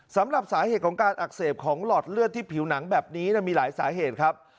สำหรับสาเหตุของการอักเสบของหลอดเลือดที่ผิวหนังแบบนี้มีหลายสาเหตุครับ